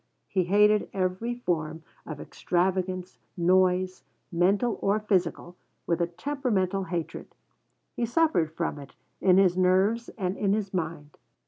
He hated every form of extravagance, noise, mental or physical, with a temperamental hatred: he suffered from it, in his nerves and in his mind.